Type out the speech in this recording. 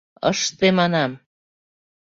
Ыште, манам!